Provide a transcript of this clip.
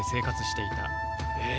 え！？